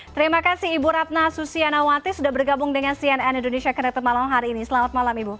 terima kasih ibu ratna susianawati sudah bergabung dengan cnn indonesia connected malam hari ini selamat malam ibu